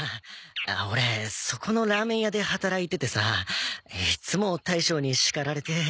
オレそこのラーメン屋で働いててさいつも大将に叱られて。